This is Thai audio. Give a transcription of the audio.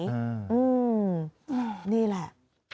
อืมนี่แหละ